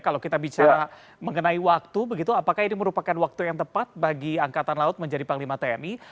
kalau kita bicara mengenai waktu begitu apakah ini merupakan waktu yang tepat bagi angkatan laut menjadi panglima tni